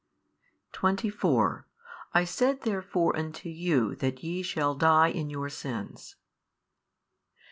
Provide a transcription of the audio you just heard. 24 I said therefore unto you that ye shall die in your sins.